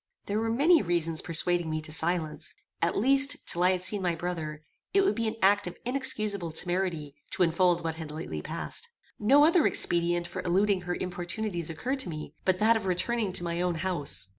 There were many reasons persuading me to silence: at least, till I had seen my brother, it would be an act of inexcusable temerity to unfold what had lately passed. No other expedient for eluding her importunities occurred to me, but that of returning to my own house.